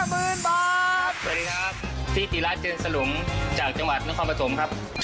สวัสดีครับที่ตีราชเจนสลุมจากจังหวัดน้องคอมประสงค์ครับ